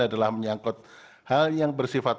adalah menyangkut hal yang bersifat